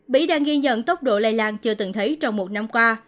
mỹ đang ghi nhận tốc độ lây lan chưa từng thấy trong một năm qua